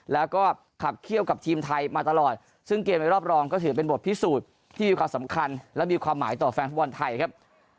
แล้วก็ขับเขี้ยวกับทีมไทยมาตลอดซึ่งเกมในรอบรองก็ถือเป็นบทพิสูจน์ที่มีความสำคัญและมีความหมายต่อแฟนฟุตบอลไทยครับ